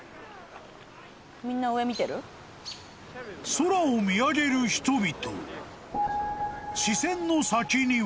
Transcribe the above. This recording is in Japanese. ［空を見上げる人々］